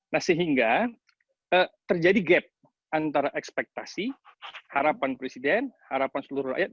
nah sehingga terjadi gap antara ekspektasi harapan presiden harapan seluruh rakyat